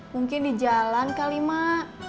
mungkin di jalan kali mak